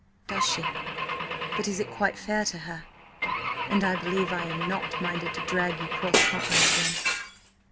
"Does she? But is it quite fair to her? And I believe I am not minded to drag you 'cross Continent again."